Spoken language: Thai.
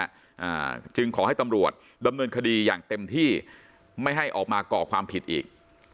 อ่าจึงขอให้ตำรวจดำเนินคดีอย่างเต็มที่ไม่ให้ออกมาก่อความผิดอีก